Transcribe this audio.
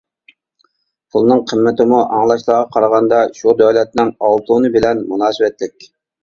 پۇلنىڭ قىممىتىمۇ ئاڭلاشلارغا قارىغاندا شۇ دۆلەتنىڭ ئالتۇنى بىلەن مۇناسىۋەتلىك.